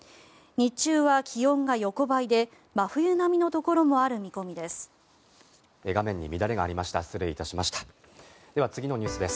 日中は気温が横ばいで真冬並みのところもある見込みです。